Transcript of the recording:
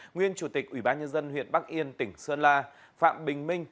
nguyên chủ tịch ủy ban nhân dân huyện bắc yên tỉnh sơn la phạm bình minh